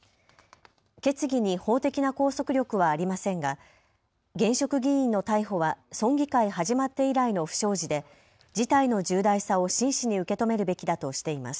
決議に法的な拘束力はありませんが現職議員の逮捕は村議会始まって以来の不祥事で事態の重大さを真摯に受け止めるべきだとしています。